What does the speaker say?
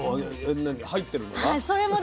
入ってるのが？